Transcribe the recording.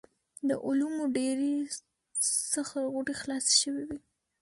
د علومو ډېرې سخر غوټې خلاصې شوې وې.